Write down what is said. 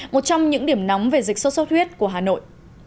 một trong những điểm nóng về dịch sốt xuất huyết của hà nội